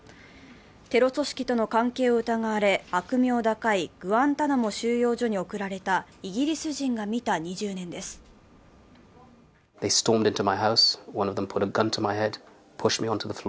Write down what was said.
テロ組織との関係を疑われ悪名高いグアンタナモ収容所に送られたイギリス人がみた２０人です。